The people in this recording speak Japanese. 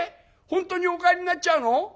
本当にお帰りになっちゃうの？